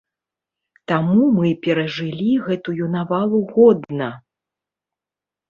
Таму мы перажылі гэтую навалу годна.